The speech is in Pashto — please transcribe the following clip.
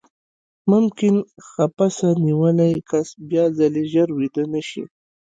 ممکن خپسه نیولی کس بیاځلې ژر ویده نه شي.